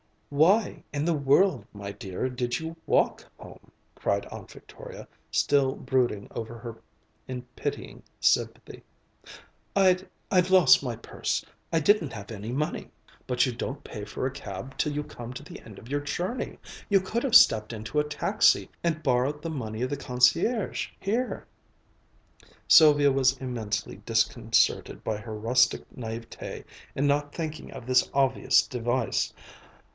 "Why in the world, my dear, did you walk home?" cried Aunt Victoria, still brooding over her in pitying sympathy. "I'd I'd lost my purse. I didn't have any money." "But you don't pay for a cab till you come to the end of your journey! You could have stepped into a taxi and borrowed the money of the concierge here." Sylvia was immensely disconcerted by her rustic naïveté in not thinking of this obvious device.